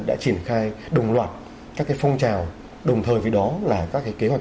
đã triển khai đồng loạt các cái phong trào đồng thời với đó là các cái kế hoạch